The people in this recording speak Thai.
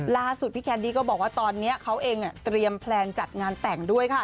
ล่าสุดพี่แคนดี้ก็บอกว่าตอนนี้เขาเองเตรียมแพลนจัดงานแต่งด้วยค่ะ